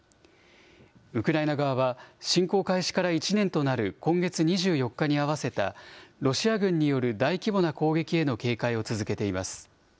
ウクライナ側は、侵攻開始から１年となる今月２４日に合わせたロシア軍による大規模な攻撃への警戒を続けています。